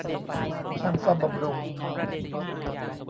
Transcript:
ช่างซ่อมบำรุง